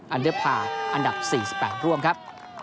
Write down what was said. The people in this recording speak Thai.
อันเดอร์พาร์อันดับ๔๘ร่วมครับ